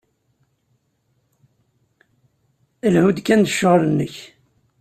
Lhu-d kan s ccɣel-nnek.